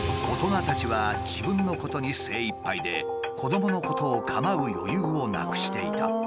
大人たちは自分のことに精いっぱいで子どものことを構う余裕をなくしていた。